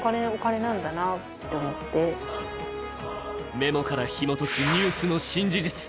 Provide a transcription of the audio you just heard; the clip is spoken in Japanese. メモからひもとくニュースの新事実。